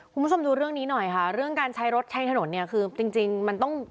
คุณผู้ชมดูเรื่องนี้หน่อยค่ะเรื่องการใช้รถใช้ถนนเนี่ยคือจริงจริงมันต้อง